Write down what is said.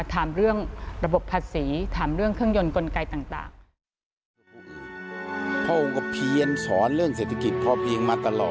ถามเรื่องระบบภาษีถามเรื่องเครื่องยนต์กลไกต่าง